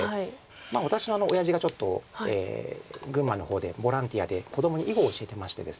私のおやじがちょっと群馬の方でボランティアで子どもに囲碁を教えてましてですね。